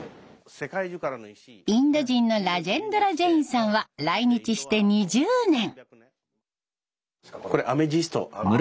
インド人のラジェンドラ・ジェインさんは来日して２０年。